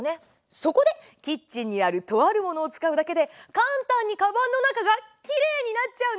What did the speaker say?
そこでキッチンにあるとあるものを使うだけで簡単にかばんの中がきれいになっちゃうんです！